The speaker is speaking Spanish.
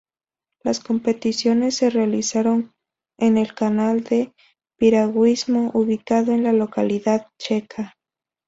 Las competiciones se realizaron en el canal de piragüismo ubicado en la localidad checa.